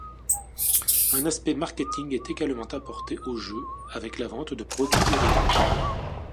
Un aspect marketing est également apporté au jeu avec la vente de produits dérivés.